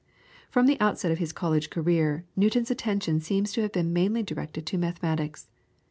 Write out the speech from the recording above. From the outset of his college career, Newton's attention seems to have been mainly directed to mathematics.